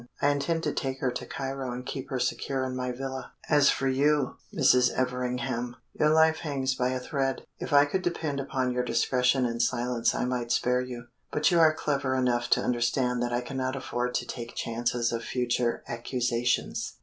I intend to take her to Cairo and keep her secure in my villa. As for you, Mrs. Everingham, your life hangs by a thread. If I could depend upon your discretion and silence I might spare you; but you are clever enough to understand that I cannot afford to take chances of future accusations."